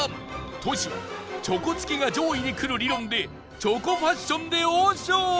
トシはチョコ付きが上位にくる理論でチョコファッションで大勝負！